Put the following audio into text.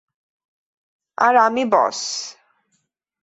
আর আমি বস।